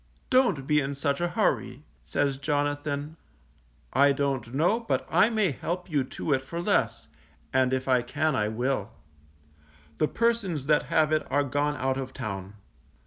Don't be in such a hurry, says Jonathan, _I don't know but I may help you to it for less, and if I can I will; the persons that have it are gone out of town.